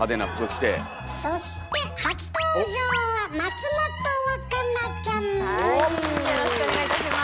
そして初登場ははいよろしくお願いいたします。